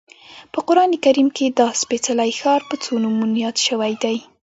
په قران کریم کې دا سپېڅلی ښار په څو نومونو یاد شوی دی.